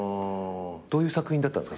どういう作品だったんですか？